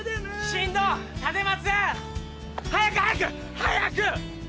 ・進藤立松！早く早く！早く！